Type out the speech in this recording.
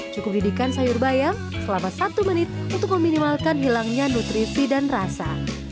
cukup didikan sayur bayam selama satu menit untuk meminimalkan hilangnya nutrisi dan rasa